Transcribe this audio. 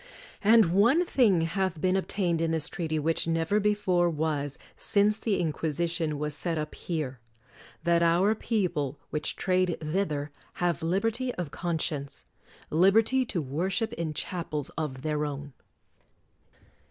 And one thing hath been ob tained in this treaty which never before was since the Inquisition was set up here, — that our people which trade thither have liberty of con science,— liberty to worship in chapels of their own.